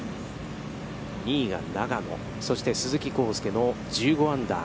２位が永野、そして、鈴木晃祐の１５アンダー。